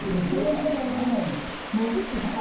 そもそも泳げない。